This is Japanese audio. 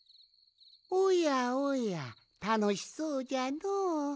おやおやたのしそうじゃのう。